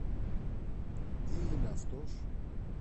Τι είναι αυτός;